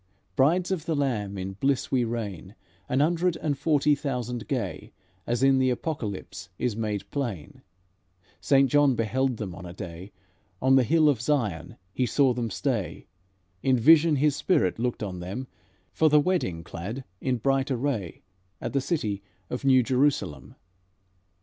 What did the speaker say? Brides of the Lamb in bliss we reign, An hundred and forty thousand gay, As in the Apocalypse is made plain, Saint John beheld them on a day; On the hill of Zion he saw them stay, In vision his spirit looked on them, For the wedding clad in bright array, At the city of New Jerusalem."